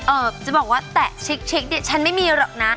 จะบอกว่าแตะเช็คเนี่ยฉันไม่มีหรอกนะ